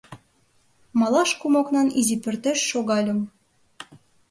Малаш кум окнан изи пӧртеш шогальым.